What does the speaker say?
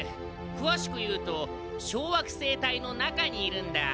くわしくいうと小惑星帯の中にいるんだ。